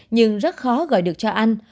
nhưng rất khó gọi được cho anh